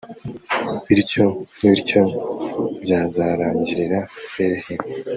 bityo bityo byazarangirira hehe